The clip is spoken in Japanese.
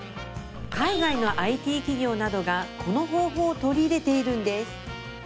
海外のＩＴ企業などがこの方法を取り入れているんです